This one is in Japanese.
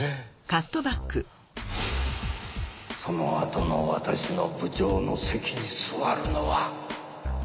そのあとの私の部長の席に座るのは。